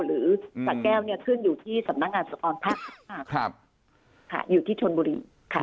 หรือสะแก้วเนี่ยขึ้นอยู่ที่สำนักงานสะทอนภักดิ์อยู่ที่ชนบุรีค่ะ